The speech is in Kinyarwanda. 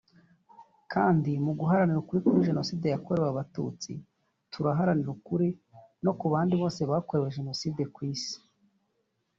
kandi mu guharanira ukuri kuri Jenoside yakorewe Abatutsi turaharanira ukuri no ku bandi bose bakorewe jenoside ku Isi